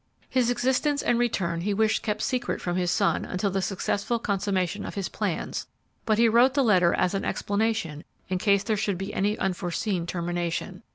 "His existence and return he wished kept secret from his son until the successful consummation of his plans, but he wrote the letter as an explanation in case there should be any unforeseen termination.